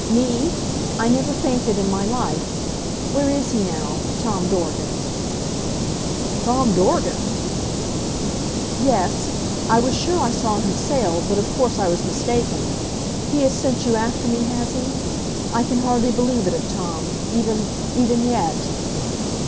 "Me? I never fainted in my life... Where is he now Tom Dorgan?" "Tom Dorgan!" "Yes. I was sure I saw him sail, but, of course, I was mistaken. He has sent you after me, has he? I can hardly believe it of Tom even even yet."